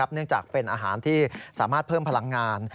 เนื่องจากเป็นอาหารที่สามารถเพิ่มพลังงาน